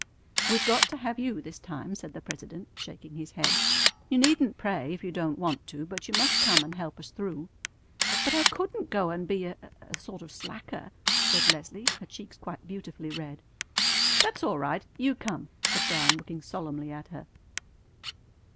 "We've got to have you this time," said the president, shaking his head. "You needn't pray if you don't want to, but you must come and help us through." "But I couldn't go and be a a sort of slacker!" said Leslie, her cheeks quite beautifully red. "That's all right! You come!" said Bryan, looking solemnly at her.